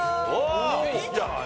いいんじゃない？